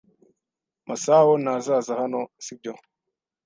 Masao ntazaza hano, sibyo?